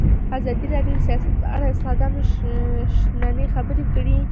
ازادي راډیو د سیاست په اړه د استادانو شننې خپرې کړي.